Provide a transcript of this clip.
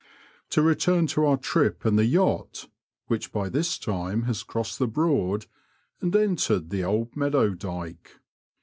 To return to our trip and the yacht, which by this tima has crossed the Broad and entered the Old Meadow Dyke.